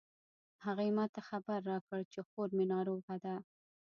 هغې ما ته خبر راکړ چې خور می ناروغه ده